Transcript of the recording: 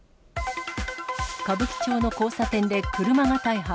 歌舞伎町の交差点で車が大破。